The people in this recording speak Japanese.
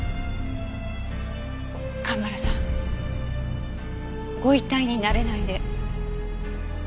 蒲原さんご遺体に慣れないで。